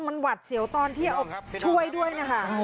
มันหวัดเสียวตอนที่เอาช่วยด้วยนะคะ